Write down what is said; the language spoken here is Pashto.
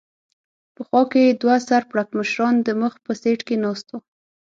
په خوا کې یې دوه سر پړکمشران د مخ په سېټ کې ناست و.